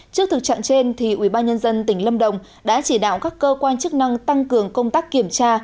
trước thực trạng trên ubnd tỉnh lâm đồng đã chỉ đạo các cơ quan chức năng tăng cường công tác kiểm tra